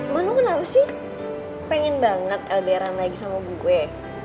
manu kenapa sih pengen banget elderan lagi sama bu gue